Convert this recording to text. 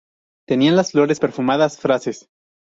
Tenían las flores perfumadas frases.